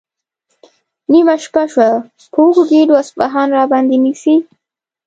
نیمه شپه شوه، په وږو ګېډو اصفهان راباندې نیسي؟